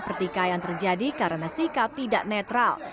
pertikaian terjadi karena sikap tidak netral